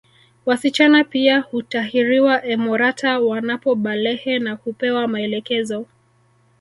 Wasichana pia hutahiriwa emorata wanapobalehe na hupewa maelekezo